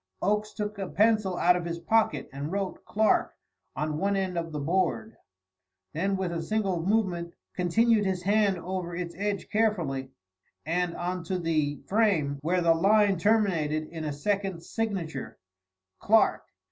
Oakes took a pencil out of his pocket and wrote "Clark" on one end of the board; then with a single movement continued his hand over its edge carefully, and on to the frame, where the line terminated in a second signature "Clark."